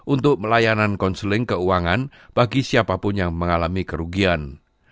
untuk pelayanan konseling keuangan bagi siapapun yang mengalami kerugian